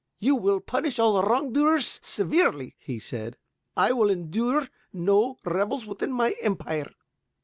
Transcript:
"You will punish all wrong doers severely," he said, "I will endure no rebels within my empire."